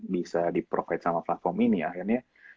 bisa di procate sama platform ini akhirnya